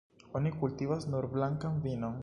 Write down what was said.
Oni kultivas nur blankan vinon.